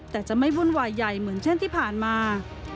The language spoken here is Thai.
แต่จะไม่วุ่นวายใหญ่เหมือนเช่นที่ผ่านมา